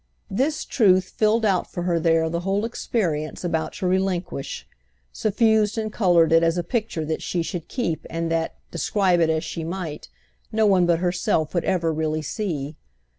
This truth filled out for her there the whole experience about to relinquish, suffused and coloured it as a picture that she should keep and that, describe it as she might, no one but herself would ever really see.